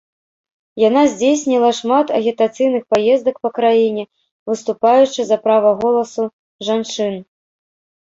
Яна здзейсніла шмат агітацыйных паездках па краіне, выступаючы за права голасу жанчын.